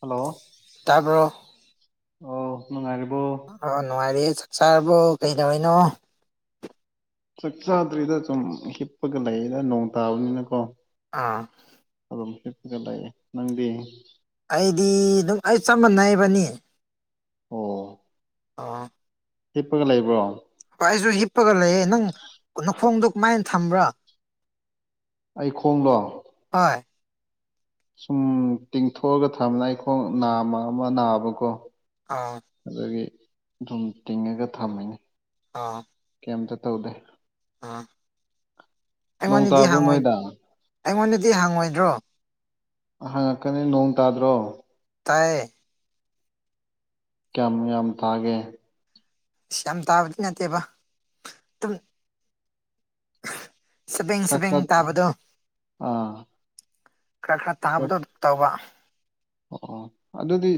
hello ꯇꯥꯕ꯭ꯔꯣ ꯑꯣ ꯅꯨꯡꯉꯥꯏꯔ ꯑꯣ ꯅꯨꯡꯉꯥꯏꯔꯤꯌꯦ ꯆꯥꯛ ꯆꯥꯔꯕ ꯀꯩꯗꯧꯔꯤꯅꯣ ꯆꯥꯛ ꯆꯥꯗ꯭ꯔꯤꯗ ꯁꯨꯝ ꯍꯤꯞꯄꯒ ꯂꯩꯌꯦꯅ ꯅꯣꯡ ꯇꯥꯕꯅꯤꯅꯀꯣ ꯑꯥ ꯂꯑꯦ ꯅꯪꯗꯤ ꯑꯩꯗꯤ ꯑꯗꯨꯝ ꯑꯩ ꯆꯞ ꯃꯥꯟꯅꯩꯕꯅꯤ ꯑꯣ ꯑ [unintelligible] [inaudible] ꯍꯤꯞꯄꯒ ꯂꯩꯕ꯭ꯔꯣ ꯑꯩꯁꯨ ꯍꯤꯞꯄꯒ ꯂꯩꯑ ꯅꯪ ꯅꯈꯣꯡꯗꯣ ꯀꯃꯥꯏꯅ ꯊꯝꯕ꯭ꯔꯥ ꯑꯩ ꯈꯣꯡꯗꯣ ꯍ [unintelligible] [inaudible] ꯁꯨꯝ ꯇꯤꯡꯊꯣꯛꯑꯒ ꯊꯝꯕꯅ ꯑꯩꯈꯣꯡ ꯅꯥꯝꯃ ꯑꯃ ꯅꯥꯕꯀꯣ ꯑꯥ ꯑꯗꯨꯗꯒꯤ ꯑꯗꯨꯝ ꯇꯤꯡꯉꯒ ꯊꯝꯃꯅꯤ ꯑ [unintelligible] [inaudible] ꯑꯝꯇ ꯇꯧꯗꯦ ꯑ [unintelligible] [inaudible] ꯅꯣꯡꯇꯕꯣꯏ ꯅꯣꯏꯗꯥꯥꯛ ꯑꯩꯉꯣꯟꯗꯗꯤ ꯍꯪꯉꯣꯏꯗ꯭ꯔꯣ ꯍꯪꯉꯛꯀꯅꯤ ꯅꯣꯡ ꯇꯥꯗ꯭ꯔꯣ ꯇꯥꯏꯌꯦ ꯀꯌꯥꯝ ꯌꯥꯝ ꯇꯥꯒꯦ ꯌꯥꯝ ꯇꯥꯕꯗꯤ ꯅꯠꯇꯦꯕ ꯑꯗꯨꯝ ꯁꯕꯦꯡ ꯁꯕꯦꯡ ꯈꯔ ꯇꯥꯕꯗꯣ ꯑꯥ ꯈꯔ ꯈꯔ ꯇꯥꯕꯗꯣ ꯇꯧꯕ ꯑꯣ ꯑꯣ ꯑꯗꯨꯗꯤ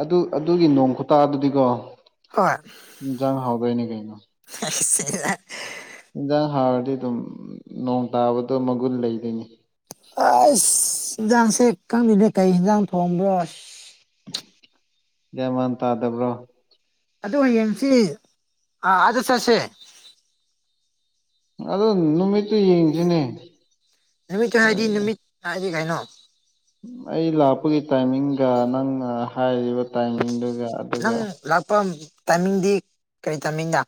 ꯑꯗꯨ ꯑꯗꯨꯒꯤ ꯅꯣꯡ ꯈꯨꯇꯥ ꯑꯗꯨꯗꯤꯀꯣ ꯍꯣꯏ ꯏꯟꯁꯥꯡ ꯍꯥꯎꯗꯣꯏꯅꯦ ꯀꯩꯅꯣ ꯁꯤꯂ [inaudible] [unintelligible] ꯏꯟꯖꯥꯡ ꯍꯥꯎꯔꯗꯤ ꯑꯗꯨꯝ ꯅꯣꯡ ꯇꯥꯕꯗꯣ ꯃꯒꯨꯟ ꯂꯩꯗꯣꯏꯅꯤ ꯑꯁ ꯏꯟꯖꯥꯡꯁꯦ ꯈꯪꯗꯦꯗ ꯀꯩ ꯌꯦꯟꯁꯥꯡ ꯊꯣꯡꯕ꯭ꯔꯣ ꯃꯦꯟꯃꯥꯟ ꯇꯥꯗꯕ꯭ꯔꯣ ꯑꯗꯨ ꯍꯌꯦꯡꯁꯤ ꯑꯥ ꯑꯥꯗ ꯆꯠꯁꯦ ꯑꯗꯣ ꯅꯨꯃꯤꯠꯇꯨ ꯌꯦꯡꯁꯤꯅꯦ ꯅꯨꯃꯤꯠꯇ ꯍꯥꯏꯗꯤ ꯅꯨꯃꯤꯠ ꯍꯥꯏꯗꯤ ꯀꯩꯅꯣ ꯑꯩ ꯂꯥꯛꯄꯒꯤ ꯇꯥꯏꯃꯤꯡꯒ ꯅꯪꯅ ꯍꯥꯏꯔꯤꯕ ꯇꯥꯏꯃꯤꯡꯗꯨ ꯅꯪ ꯂꯥꯛꯄ ꯇꯥꯏꯃꯤꯡꯗꯤ ꯀꯔꯤ ꯇꯥꯏꯃꯤꯡꯗ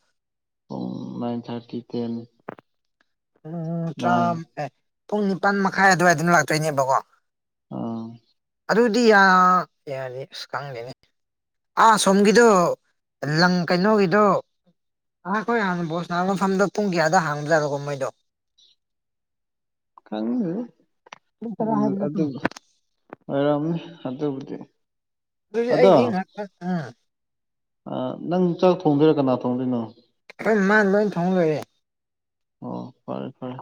ꯎꯝ ꯅꯥꯏꯟ ꯊꯥ꯭ꯔꯇꯤ ꯇꯦꯟ ꯎꯝ ꯅꯥꯏꯟ ꯇꯔꯥ ꯄꯨꯡ ꯅꯤꯄꯥꯜ ꯃꯈꯥꯏ ꯑꯗꯨꯋꯥꯏꯗ ꯂꯥꯛꯇꯣꯏꯅꯦꯕꯀꯣ ꯑꯥ ꯑꯗꯨꯗꯤ ꯌꯥ ꯌꯥꯅꯤ ꯑꯁ ꯈꯪꯗꯦꯅꯦ ꯑꯥ ꯁꯣꯝꯒꯤꯗꯣ ꯂꯪ ꯀꯩꯅꯣꯒꯤꯗꯣ ꯑꯥꯈꯣꯏ ꯍꯥꯟꯅ ꯕꯣꯜ ꯁꯥꯟꯅꯕ ꯃꯐꯝꯗꯣ ꯄꯨꯡ ꯀꯌꯥꯗ ꯍꯥꯡꯕꯖꯥꯔꯣꯒꯣ ꯃꯣꯏꯗꯣ ꯈꯪꯗꯦꯗ ꯄꯨꯡ ꯇꯔꯥ ꯎꯝ ꯍꯥꯏꯕ ꯅꯠꯇ꯭ꯔꯣ ꯑꯗꯨꯕꯨ ꯑꯣꯏꯔꯝꯅꯤ ꯑꯗꯨꯕꯨꯗꯤ ꯑꯗꯨ ꯑꯩꯗꯤ ꯍꯥ ꯎ [unintelligible] ꯑ ꯅꯪ ꯆꯥꯛ ꯊꯣꯡꯗꯣꯏꯔꯥ ꯀꯅꯥ ꯊꯣꯡꯗꯣꯏꯅꯣ ꯃꯥꯥꯟ ꯂ ꯊꯣꯡ ꯂꯩꯔꯦ [unintelligible] ꯑꯣ ꯐꯔꯦ ꯐꯔꯦ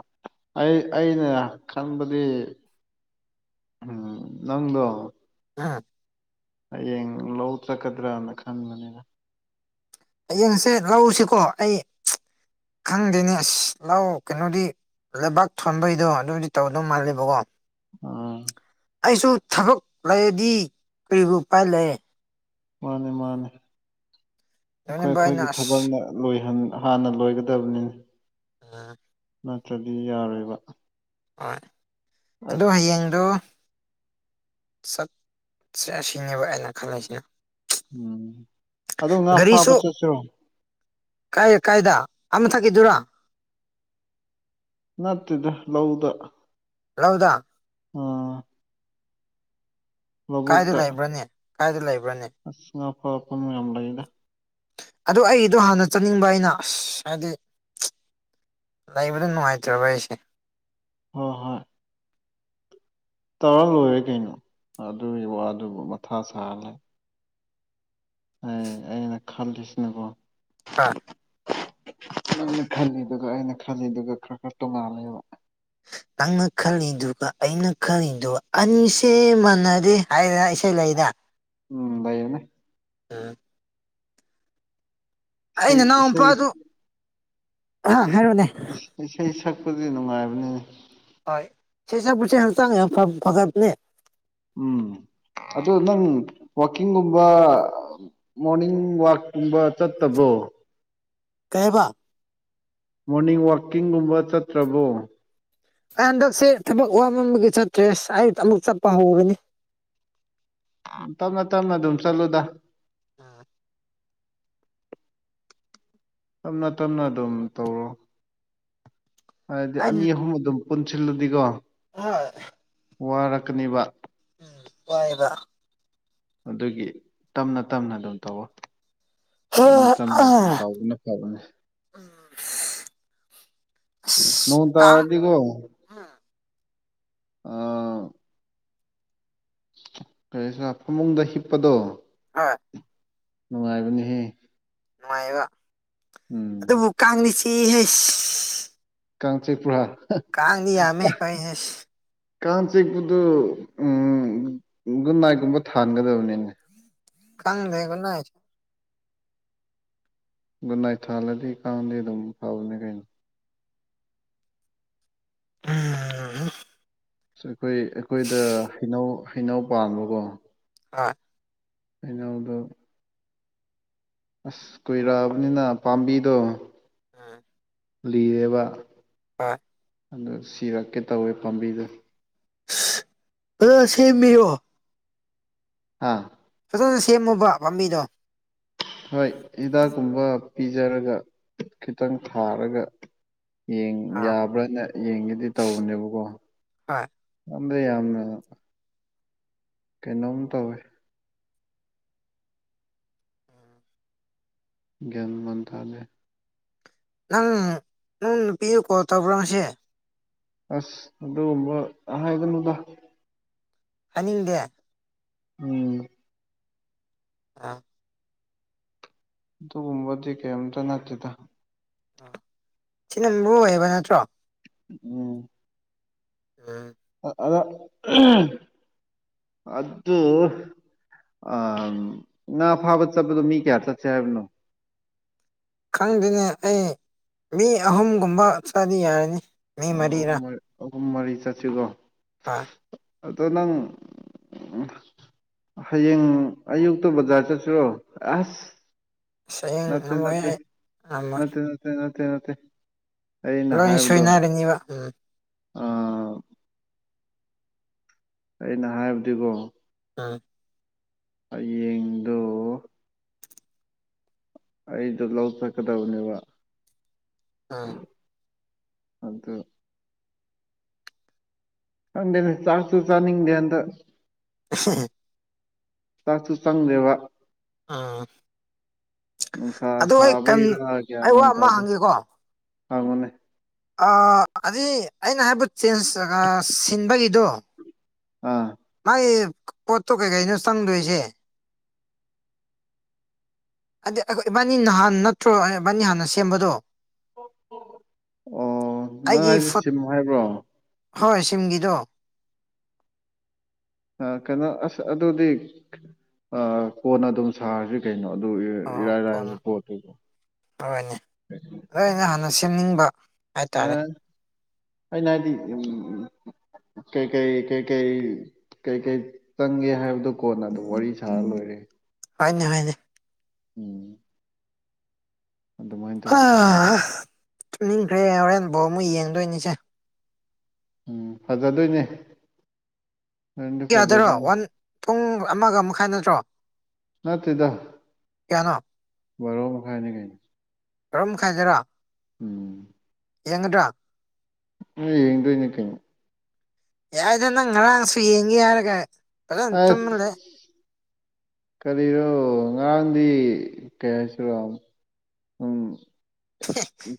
ꯑꯩ ꯑꯩꯅ ꯈꯟꯕꯗꯤ ꯎꯝ ꯅꯪꯗꯣ ꯑ [unintelligible] ꯍꯌꯦꯡ ꯂꯧ ꯆꯠꯀꯗ꯭ꯔꯅ ꯈꯟꯕꯅꯤꯅ ꯍꯌꯦꯡꯁꯦ ꯂꯧꯁꯤꯀꯣ ꯑꯩ ꯈꯪꯗꯦꯅꯦꯁ ꯂꯧ ꯀꯩꯅꯣꯗꯤ ꯂꯩꯕꯥꯛ ꯊꯣꯟꯕꯩꯗꯣ ꯑꯗꯨꯗꯤ ꯇꯧꯗꯧ ꯃꯥꯜꯂꯦꯕꯀꯣ ꯑꯥ ꯑꯩꯁꯨ ꯊꯕꯛ ꯂꯩꯔꯗꯤ ꯀꯔꯤꯕꯨ ꯎꯄꯥꯏ ꯂꯩ ꯃꯥꯅꯦ ꯃꯥꯅꯦ ꯑꯩꯈꯣꯏ ꯂꯣꯏꯅꯕ ꯑꯩꯅ ꯑꯩꯈꯣꯏꯒꯤ ꯑꯁ ꯊꯕꯛꯅ ꯂꯣꯏꯍꯟ ꯍꯥꯟꯅ ꯂꯣꯏꯒꯗꯕꯅꯤꯅ ꯑꯥ ꯅꯠꯇ꯭ꯔꯗꯤ ꯌꯥꯔꯣꯏꯕ ꯍꯣꯏ ꯑꯗꯣ ꯍꯌꯦꯡꯗꯣ ꯆꯠꯁꯦ ꯁꯤꯅꯦꯕ ꯑꯩꯅ ꯈꯜꯂꯤꯁꯤꯅ ꯎꯝ ꯑꯗꯣ ꯉꯥ ꯐꯥꯕ ꯆꯠꯁꯤꯔꯣ ꯀꯥꯏꯗ ꯀꯥꯏꯗ ꯑꯥ ꯃꯊꯀꯤꯗꯨꯔꯥ ꯅꯠꯇꯦꯗ ꯂꯧꯗ ꯂꯧꯗꯥ ꯑꯣ ꯀꯥꯏꯗ ꯂꯩꯕ꯭ꯔꯅꯦ ꯀꯥꯏꯗ ꯂꯩꯕ꯭ꯔ ꯑꯁ ꯉꯥ ꯐꯥꯐꯝ ꯌꯥꯝ ꯂꯩꯗ ꯑꯗꯣ ꯑꯩꯗꯣ ꯍꯥꯟꯅ ꯆꯠꯅꯤꯡꯕ ꯑꯩꯅ ꯍꯥꯏꯗꯤ ꯂꯩꯥꯕꯗꯣ ꯅꯨꯡꯉꯥꯏꯇ꯭ꯔꯕ ꯑꯩꯁꯦ ꯍꯣꯏ ꯍꯣꯏ ꯇꯧꯔꯥ ꯂꯣꯏꯔꯦ ꯀꯩꯅꯣ ꯑꯗꯨꯒꯤ ꯋꯥꯗꯨꯕꯨ ꯃꯊꯥ ꯁꯥꯍꯜꯂꯦ ꯍ ꯑꯩꯅ ꯈꯜꯂꯤꯁꯤꯅꯀꯣ ꯍꯥꯥ ꯅꯪꯅ ꯈꯜꯂꯤꯗꯨꯒ ꯑꯩꯅ ꯈꯜꯂꯤꯗꯨꯒ ꯈꯔ ꯈꯔ ꯇꯣꯉꯜꯂꯦꯕ ꯅꯪꯅ ꯈꯜꯂꯤꯗꯨꯒ ꯑꯩꯅ ꯈꯜꯂꯤꯗꯨꯒ ꯑꯅꯤꯁꯦ ꯃꯥꯟꯅꯔꯦ ꯍꯥꯏꯔ ꯏꯁꯩ ꯂꯩꯔ ꯎꯝ ꯂꯩꯕꯅꯦ [unintelligible] ꯑꯩꯅ ꯅꯅꯥꯎ ꯏꯁꯩ ꯅꯨꯄꯥꯗꯨ [unintelligible] ꯏꯁꯩ ꯁꯛꯄꯗꯤ ꯅꯨꯡꯉꯥꯏꯕꯅꯤ ꯍꯣꯏ ꯏꯁꯩ ꯁꯛꯄꯥꯁꯦ ꯍꯥꯛꯆꯥꯡ ꯌꯥꯝ ꯐꯥꯒꯠꯄꯥꯅꯦ ꯎꯝ ꯑꯗꯣ ꯅꯪ ꯋꯥꯛꯀꯤꯡꯒꯨꯝꯕ ꯃꯣꯔꯅꯤꯡ ꯋꯥꯛꯀꯨꯝꯕ ꯆꯠꯇꯕ ꯔꯣ ꯀꯩꯍꯥꯏꯕ ꯃꯣꯔꯅꯤꯡ ꯋꯥꯛꯀꯤꯡꯒꯨꯝꯕ ꯆꯠꯇ꯭ꯔꯕꯣ ꯑꯩ ꯍꯟꯗꯛꯁꯦ ꯊꯕꯛ ꯋꯥꯃꯝꯕꯒꯤ ꯆꯠꯇ꯭ꯔꯦ ꯑꯩ ꯑꯃꯨꯛ ꯆꯠꯄ ꯍꯧꯔꯅꯤ ꯇꯞꯅ ꯇꯞꯅ ꯑꯗꯨꯝ ꯆꯠꯂꯨꯗ [unintelligible] ꯇꯞꯅ ꯇꯞꯅ ꯑꯗꯨꯝ ꯇꯧꯔꯣ ꯍꯥꯏꯗꯤ ꯑꯅꯤ ꯑꯍꯨꯝ ꯑꯗꯨꯝ ꯄꯨꯟꯁꯤꯜꯗꯤꯀꯣ ꯍꯣꯏ ꯋꯥꯔꯛꯀꯅꯤꯕ ꯋꯥꯏꯌꯦꯕ ꯑꯗꯨꯒꯤ ꯇꯞꯅ ꯇꯞꯅ ꯑꯗꯨꯝ ꯇꯧ ꯇꯞꯅ ꯇꯞꯅ ꯑꯗꯨꯝ ꯇꯧꯕꯅ ꯐꯕꯅꯦ ꯑꯁ ꯅꯣꯡ ꯀꯥꯡ ꯇꯔꯗꯤꯀꯣ ꯎꯝ ꯑꯥ ꯀꯔꯤ ꯁꯥ ꯐꯃꯨꯡꯗ ꯍꯤꯞꯄꯗꯣ ꯑ ꯅꯨꯡꯉꯥꯏꯕꯅꯦꯍꯦ ꯅꯨꯡꯉꯥꯏꯌꯦꯕ ꯑꯗꯨꯕꯨ ꯀꯥꯡꯗꯤ ꯆꯤꯛꯏꯍꯦ ꯀꯥꯡ ꯆꯤꯛ ꯄꯔꯥ ꯀꯥꯅꯤ ꯌꯥꯝꯃꯦ ꯀꯩꯅꯦ ꯀꯥꯡ ꯆꯤꯛꯄꯗꯨ ꯎ ꯒꯨꯠ ꯅꯥꯏꯠꯀꯨꯝꯕ ꯊꯥꯟꯒꯗꯕꯅꯤꯅꯦ ꯈꯪꯗꯦ ꯒꯨꯠꯅꯥꯏꯠ ꯒꯨꯅꯥꯏ ꯊꯥꯜꯂꯗꯤ ꯀꯥꯡꯗꯤ ꯑꯗꯨꯝ ꯐꯥꯎꯅꯦ ꯀꯩꯅꯣ [unintelligible] ꯑꯩꯈꯣꯏ ꯑꯩꯈꯣꯏꯗ ꯍꯩꯅꯧ ꯍꯩꯅꯧ ꯄꯥꯟꯕꯀꯣ ꯑ ꯍꯩꯅꯧꯎꯗꯣ ꯑꯁ ꯀꯨꯏꯔꯛꯑꯕꯅꯤꯅ ꯄꯥꯝꯕꯤꯗꯣ ꯑꯝ ꯂꯤꯔꯦꯕ ꯑ ꯑꯗꯨ ꯁꯤꯔꯛꯀꯦ ꯇꯧꯋꯦ ꯄꯥꯝꯕꯤꯗꯣ ꯑꯁ ꯁꯦꯝꯃꯤꯌꯣ ꯍꯥꯥ ꯐꯖꯅ ꯁꯦꯝꯃꯨꯕ ꯄꯥꯝꯕꯤꯗꯣ ꯍꯣꯏ ꯍꯤꯗꯥꯛ ꯀꯨꯝꯕ ꯄꯤꯖꯔꯒ ꯈꯤꯇꯪ ꯊꯥꯔꯒ ꯌꯦ ꯑꯥ ꯌꯥꯕ꯭ꯔꯥꯅ ꯌꯦꯡꯒꯦꯗꯤ ꯇꯧꯕꯅꯦꯕꯀꯣ ꯍꯣꯏ ꯅꯗ ꯌꯥ ꯀꯩꯅꯣꯃ ꯇꯋ ꯭ꯟ ꯃꯥꯟꯇꯂꯦ ꯅꯪ ꯅꯪ ꯅꯨꯄꯤꯤꯌꯨꯀꯣ ꯇꯕ꯭ꯔꯣꯁꯦ ꯑꯁ ꯑꯗꯨꯒꯨꯝꯕ ꯑꯥꯏꯗꯅꯗ ꯑꯅꯤꯡꯗꯦ ꯎꯝ ꯑꯥ ꯑꯗꯨꯒꯨꯝꯕꯗꯤ ꯀꯩꯝꯇ ꯅꯠꯇꯦꯗ ꯁꯤꯅ ꯃꯔꯨ ꯑꯣꯏꯌꯦꯕ ꯅꯠꯇ꯭ꯔꯣ ꯎꯝ ꯎ ꯑꯗ ꯑꯗꯨ [inaudible] ꯑ ꯉꯥ ꯐꯥꯕ ꯆꯠꯄꯗꯣ ꯃꯤ ꯀꯌꯥ ꯆꯠꯁꯦ ꯍꯥꯏꯕꯅꯣ ꯈꯪꯗꯅꯦ ꯑꯩ ꯃꯤ ꯑꯍꯨꯝꯒꯨꯝꯕ ꯆꯥꯗꯤ ꯌꯥꯔꯅꯤ ꯃꯤ ꯃꯔꯤꯔꯥ ꯑꯍꯨꯝ ꯃꯔꯤ ꯆꯠꯁꯤꯒꯣ ꯍꯣꯏ ꯑꯗꯣ ꯅꯪ ꯍꯌꯦꯡ ꯑꯌꯨꯛꯇ ꯕꯖꯥꯔ ꯆꯠꯁꯤꯨꯔꯣ ꯑꯁ ꯑꯁ ꯍꯌꯦꯡ ꯅꯠꯇꯦ ꯉꯝꯃꯣꯏ ꯅꯠꯇꯦ ꯑꯩ ꯉꯝꯃꯣꯏ ꯅꯠꯇꯦ ꯅꯠꯇꯦ ꯅꯠꯇꯦ ꯅꯠꯇꯦ ꯑꯩꯅ ꯂꯣꯏ ꯍꯥꯏꯕꯗꯣ ꯁꯣꯏꯅꯔꯅꯤꯕ ꯎꯝ ꯑꯥ [inaudible] ꯑꯩꯅ ꯍꯥꯏꯕꯗꯤꯀꯣ ꯑꯥ [inaudible] [unintelligible] ꯍꯌꯦꯡꯗꯣ ꯑꯩꯗ ꯂꯧ ꯆꯠꯀꯗꯕꯅꯦꯕ ꯑꯥ ꯑꯗꯨꯗ ꯀꯗꯦꯅꯦ ꯆꯥꯁꯨ ꯆꯥꯅꯤꯡꯗꯦ ꯑꯗ ꯍ [unintelligible] [inaudible] ꯆꯥꯁꯨ ꯆꯪꯗꯦꯕ ꯑꯥ [unintelligible] [inaudible] ꯎ ꯁꯥꯕꯩꯗ ꯑꯩ ꯋꯥ ꯀꯌꯥꯃꯟ ꯑꯃ ꯇꯥꯗ ꯍꯪꯒꯦꯀꯣ ꯍꯥꯡꯉꯨꯅꯦ ꯑꯗꯨꯗꯤ ꯑꯩꯅ ꯍꯥꯏꯕꯨ ꯆꯦꯟꯖ ꯁꯤꯟꯕꯒꯤꯗꯣ ꯑꯥ ꯃꯥꯥꯏ ꯄꯣꯠꯇꯣ ꯀꯩꯀꯩꯅꯣ ꯆꯪꯗꯣꯏꯁꯦ ꯍꯥꯏꯗꯤ ꯏꯕꯥꯅꯤ ꯅꯍꯥꯟ ꯅꯠꯇ꯭ꯔꯣ ꯏꯕꯥꯅꯤ ꯍꯥꯟꯅ ꯁꯦꯝꯕꯗꯣ ꯑꯣ ꯅꯪ ꯑꯩꯒꯤ ꯍꯥꯏꯁꯦ ꯐꯨꯠ ꯁꯤꯃꯨ ꯍꯥꯏꯕ꯭ꯔꯣ ꯍꯣꯏ ꯁꯤꯝꯒꯤꯗꯣ ꯀꯩꯅꯣ ꯑꯁ ꯑꯗꯨꯗꯤ ꯀꯣꯟꯅ ꯑꯗꯨꯝ ꯁꯥꯔꯁꯤ ꯀꯩꯅꯣ ꯑꯗꯨ ꯑꯣ ꯏꯔꯥꯏ ꯂꯥꯏꯅ ꯀꯣꯟꯅ ꯄꯣꯠꯇꯣ ꯍꯣꯏꯅꯦ ꯍꯥꯏ ꯇꯥꯔꯦ ꯑꯩꯅꯗꯤ ꯎꯝ ꯎ ꯀꯩꯀꯩ ꯀꯩꯀꯩ ꯀꯩꯀꯩ ꯆꯪꯒꯦ ꯍꯥꯏꯕꯗꯨ ꯀꯣꯟꯅ ꯑꯗꯨ ꯋꯥꯔꯤ ꯁꯥꯂ ꯐꯔꯦ ꯍꯅꯦ ꯍꯅꯦ ꯎꯝ [unintelligible] [inaudible] ꯑꯗꯨꯃꯥꯏꯅ ꯍꯥ ꯇꯧꯁꯤ ꯅꯤꯡꯈ꯭ꯔꯦ ꯍꯣꯔꯦꯟ ꯕꯥꯎ ꯑꯃꯨꯛ ꯌꯦꯡꯗꯣꯏꯅꯤꯁꯦ ꯎꯝ ꯐꯖꯗꯣꯏꯅꯦ ꯅꯪꯗꯤ ꯐꯖ ꯌꯥꯗꯣꯏꯔꯣ ꯋꯥꯟ ꯄꯨꯡ ꯑꯃꯒ ꯃꯈꯥꯏ ꯅꯠꯇ꯭ꯔꯣ ꯅꯠꯇꯦꯗ ꯀꯌꯥꯅꯣ ꯚꯔꯣ ꯃꯈꯥꯏꯅꯤ ꯀꯩꯅꯩꯅ ꯀꯔꯝ ꯈꯥꯏꯖꯔꯥ ꯎꯝ [unintelligible] [inaudible] ꯍꯑꯦꯡ ꯒꯗꯔꯥ ꯎꯃꯝ ꯌꯡꯗꯣꯏ ꯅꯤ ꯀꯑꯩꯅꯣ ꯌꯥꯗꯅ ꯉꯔꯥꯡꯁꯨ ꯌꯦ ꯌꯥꯔꯒꯂ ꯇ ꯑꯁ ꯂꯩꯦ ꯀꯔꯤꯔꯣ ꯉꯔꯥꯡꯗꯤ ꯀꯩ ꯍꯥꯏꯁꯤꯔꯣ ꯎꯝ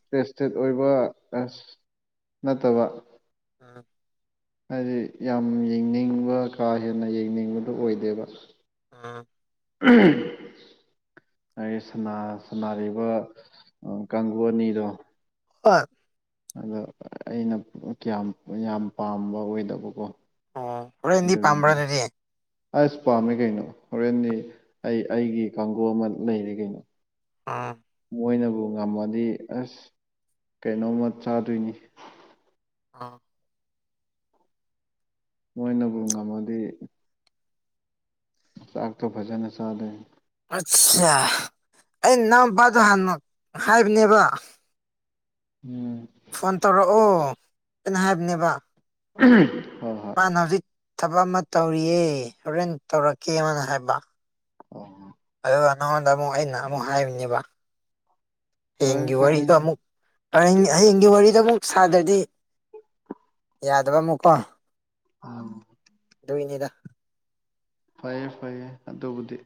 [inaudible] ꯄꯦꯁꯇꯦꯠ ꯑꯣꯏꯕ ꯑ ꯅꯠꯇꯕ ꯎꯝ [unintelligible] [inaudible] ꯍꯥꯏꯗꯤ ꯌꯥꯝ ꯌꯦꯡꯅꯤꯡꯕ ꯀꯥ ꯍꯦꯟꯅ ꯌꯦꯡꯅꯤꯡꯕꯗꯨꯣ ꯑꯣꯏꯗꯦꯕ ꯑꯥ ꯎꯝ ꯑꯩꯒꯤ ꯁꯅꯔꯤꯕ ꯀꯥꯡꯕꯨ ꯑꯅꯤꯗꯣ ꯑ ꯑꯗꯣ ꯑꯩꯅ ꯀꯌꯥꯝ ꯌꯥꯝ ꯄꯥꯝꯕ ꯑꯣꯏꯗꯕꯀꯣ ꯑꯣ ꯄꯨꯔ ꯏꯟꯗꯤ ꯄꯥꯝꯕ꯭ꯔꯥꯅꯔꯤꯌꯦ ꯑꯁ ꯄꯥꯝꯃꯦ ꯀꯩꯅꯣ ꯍꯣꯔꯦꯟꯗꯤ ꯑꯩ ꯑꯩꯒꯤ ꯀꯥꯡꯕꯨ ꯑꯃ ꯂꯩꯔꯤ ꯀꯩꯅꯣ ꯑ ꯃꯣꯏꯅꯕꯨ ꯉꯝꯃꯗꯤ ꯑꯁ ꯀꯩꯅꯣꯝꯃ ꯆꯥꯗꯣꯏꯅꯤ ꯑꯥ ꯃꯣꯏꯅꯕꯨ ꯉꯝꯃꯗꯤ ꯁꯥꯥꯥꯛꯛꯇ ꯖꯟ ꯑ ꯁꯥꯥꯗꯦ ꯑꯠꯆꯥ ꯑꯩ ꯅꯅꯥꯎꯄꯥꯗꯣ ꯍꯥꯟ ꯍꯥꯏꯕꯅꯦꯕ ꯎꯝ ꯐꯣꯟ ꯇꯧꯔꯛꯑꯣ ꯀꯩꯅ ꯍꯥꯏꯕꯅꯦꯕ ꯑ ꯃꯥꯅ ꯍꯧꯖꯤꯛ ꯊꯕꯛ ꯑꯃ ꯇꯧꯔꯤꯌꯦ ꯍꯣꯔꯦꯟ ꯇꯧꯔꯛꯀꯦꯅ ꯍꯥꯏꯕ ꯑꯣ ꯑꯗꯨꯒ ꯅꯉꯣꯟꯗ ꯑꯃꯨꯛ ꯑꯩꯅ ꯑꯃꯨꯛ ꯍꯥꯏꯔꯤꯕꯅꯦꯕ ꯐꯔꯦ ꯍꯡꯒꯤ ꯐꯔꯦ ꯋꯥꯔꯤ ꯑꯃꯨꯛ ꯍꯌꯦꯡꯒꯤ ꯋꯥꯔꯤꯗ ꯑꯃꯨꯛ ꯁꯥꯗ꯭ꯔꯗꯤ ꯌꯥꯗꯕ ꯑꯃꯨꯛꯀꯣ ꯑ ꯣꯏꯅꯤꯗ ꯐꯩꯌꯦ ꯐꯩꯌꯦ ꯑꯗꯨꯕꯨꯗꯤ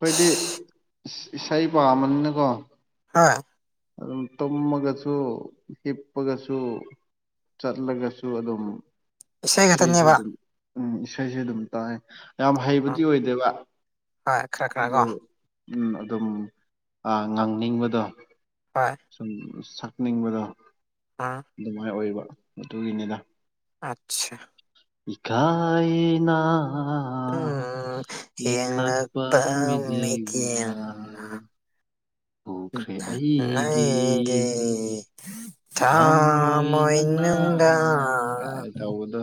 ꯑꯩꯣꯏꯗꯤ ꯏꯁꯩ ꯄꯥꯝꯝꯕꯅꯤꯅꯀꯣ ꯑꯥ ꯑꯗꯨꯝ ꯇꯨꯝꯃꯒꯁꯨ ꯍꯤꯞꯄꯒꯁꯨ ꯆꯠꯂꯒꯁꯨ ꯑꯗꯨꯝ ꯏꯁꯩ ꯈꯇꯅꯦꯕ ꯎꯝ ꯏꯁꯩꯁꯦ ꯑꯗꯨꯝ ꯇꯥꯏꯑꯦ ꯌꯥꯝ ꯍꯩꯕꯗꯤ ꯎꯝ ꯑꯣꯏꯗꯦꯕ ꯍꯣꯏ ꯈꯔ ꯈꯔ ꯀꯣ ꯑꯗꯨꯝ ꯉꯥꯡꯅꯤꯡꯕꯗꯣ ꯍꯣꯏ ꯁꯨꯝ ꯀꯛꯅꯤꯡꯕꯗ ꯎꯝ ꯑꯗꯨꯃꯥꯏꯅ ꯑꯣꯏꯕ ꯑꯗꯨꯒꯤꯅꯤꯅ ꯑꯆꯥ ꯀꯥꯏꯅꯥ ꯑ ꯌꯦꯡꯅꯄ ꯃꯤꯠꯌꯦꯡꯅ ꯎꯈ꯭ꯔꯦ ꯅ ꯑꯩꯒꯤ ꯒꯤ ꯃꯣꯏ ꯊꯥꯃꯣ ꯅꯪꯅ ꯏꯅꯗꯥ ꯀꯥꯏ ꯇꯧꯕꯗꯣ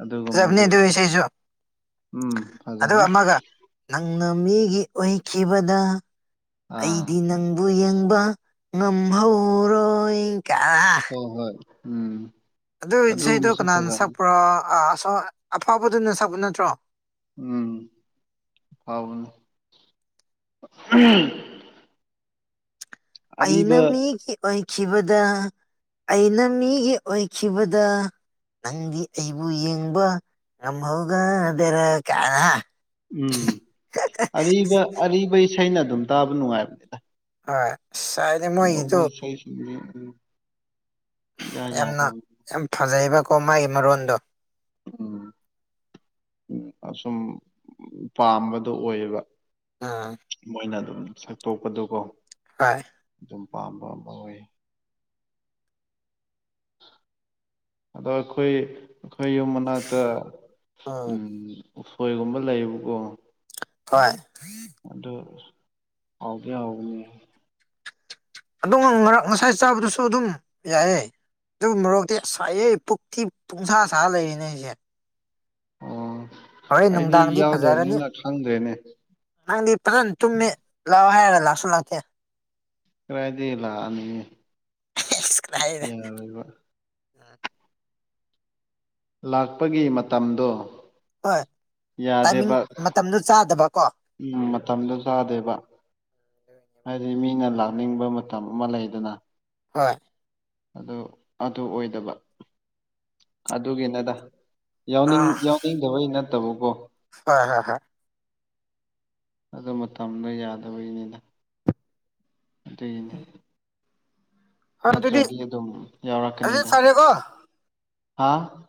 ꯑꯗꯨꯒꯨꯝꯕ ꯑꯗꯨ ꯁꯔ ꯆ ꯎꯝ ꯐꯖꯕ ꯑꯗꯨꯒ ꯑꯃꯒ ꯅꯪꯅ ꯃꯤꯒꯤ ꯑꯣꯏꯈꯤꯕꯗ ꯑꯥ ꯑꯩꯗꯤ ꯅꯪꯕꯨ ꯌꯦꯡꯕ ꯉꯝꯍꯧꯔꯣꯏ ꯑ ꯍꯣꯏ ꯍꯣꯏ ꯎꯝ ꯑꯗꯨ ꯏꯁꯩꯗꯣ ꯑꯗꯨꯒꯨꯝꯕꯁꯨ ꯀꯅꯥꯅ ꯐꯖꯕꯅꯤ ꯁꯛꯄ꯭ꯔꯣ ꯑꯁꯣ ꯑꯐꯕꯗꯨꯅ ꯁꯛꯄ ꯅꯠꯇ꯭ꯔꯣ ꯎꯝ ꯐꯥꯎꯅꯦ ꯎꯝ ꯑꯩꯅ ꯃꯤꯒꯤ ꯑꯣꯏꯈꯤꯕꯗ ꯑꯩꯅ ꯃꯤꯒꯤ ꯑꯣꯏꯈꯤꯕꯗ ꯅꯪꯗꯤ ꯑꯩꯕꯨ ꯌꯦꯡꯕ ꯉꯝꯍꯧꯒꯗꯔ ꯀꯅ ꯎꯝ ꯑꯔꯤꯕ ꯑꯔꯤꯕ ꯏꯁꯩꯅ ꯑꯗꯨꯝ ꯇꯥꯕ ꯅꯨꯡꯉꯥꯏꯕꯅꯤꯗ ꯍꯣꯏ ꯑꯁ ꯍꯥꯏꯗꯤ ꯑꯅ ꯃꯣꯏꯒꯤꯗꯨ ꯎꯕꯣꯏꯁ ꯎꯝ ꯏꯌꯥ ꯌꯥꯗꯦ ꯌꯥꯝꯅ ꯌꯥꯝ ꯐꯖꯩꯑꯕꯀꯣ ꯃꯥꯒꯤ ꯃꯔꯣꯟꯗꯣ ꯁꯨꯝ ꯄꯥꯝꯕꯗꯣ ꯑꯣꯏꯌꯦꯕ ꯎꯝ ꯃꯣꯏꯅ ꯑꯗꯨꯝ ꯁꯛꯇꯣꯛꯄꯗꯨꯀꯣ ꯍ ꯑꯗꯨꯝ ꯄꯥꯝꯕ ꯑꯃ ꯑꯣꯏ ꯑꯗꯣ ꯑꯩꯈꯣꯏ ꯑꯩꯈꯣꯏ ꯌꯨꯝ ꯃꯅꯥꯛꯇ ꯎꯝ ꯎꯁꯣꯏꯒꯨꯝꯕ ꯂꯩꯌꯦꯕꯀꯣ ꯍꯣꯏ ꯑꯗꯨꯗꯣ ꯑꯒꯦ ꯑꯎꯅꯦ ꯑꯗꯣ ꯉꯛ ꯉꯁꯥꯏ ꯆꯥꯕꯗꯨꯁꯨ ꯑꯗꯨꯝ ꯌꯥꯏꯌꯦꯦ ꯑꯗꯨꯒꯤ ꯃꯔꯣꯛꯇꯤ ꯑꯁ ꯄꯨꯊꯤ ꯄꯨꯡꯁꯥ ꯁꯥ ꯂꯩꯔꯤꯅꯦ ꯑꯩꯁꯦ ꯑ ꯍꯣꯔꯦꯟ ꯅꯨꯡꯗꯥꯡꯗꯤ ꯐꯖꯔꯅꯤ ꯈꯪꯗ꯭ꯔꯦꯅꯦ ꯅꯨꯡꯗꯥꯪꯗꯤ ꯐꯖꯅ ꯆꯨꯝꯃꯦ ꯂꯥꯛꯑꯣ ꯍꯥꯏ ꯌꯥꯔ ꯂꯁꯅꯇꯦ ꯀꯥꯏꯗ ꯂ ꯑ [unintelligible] ꯌꯥꯔꯕ ꯎ ꯂꯥꯛꯄꯒꯤ ꯃꯇꯝꯗꯣ ꯍꯣꯏ ꯇꯥꯏꯃꯤꯡ ꯌꯥꯗꯦꯕ ꯃꯇꯝꯗꯨ ꯆꯥꯗꯕꯀꯣ ꯎꯝ ꯃꯇꯝꯗ ꯆꯥꯗꯦꯕ ꯍꯥꯏꯗꯤ ꯃꯤꯅ ꯂꯥꯛꯅꯤꯡꯕ ꯃꯇꯝ ꯑꯃ ꯂꯩꯗꯅ ꯍꯣꯏ ꯑꯗꯨ ꯑꯗꯨ ꯑꯣꯏꯗꯕ ꯑꯗꯨꯒꯤꯅꯗ ꯌꯥꯎꯅꯤꯡ ꯌꯥꯎꯅꯤꯡꯗꯕꯩ ꯅꯠꯇꯕꯀꯣ ꯍ ꯍ ꯑꯗꯨ ꯃꯇꯝꯗ ꯌꯥꯗꯕꯒꯤꯅꯤꯅ ꯑꯗꯨꯒꯤꯅꯤ ꯍꯣꯏ ꯑꯗꯨꯗꯤ ꯅꯠꯇ꯭ꯔꯗꯤ ꯑꯗꯨꯝ ꯑꯗꯨꯗꯤ ꯌꯥꯎꯔꯛꯀꯅꯤꯗ ꯐꯔꯦꯀꯣ ꯍꯥ